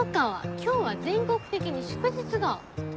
今日は全国的に祝日だ。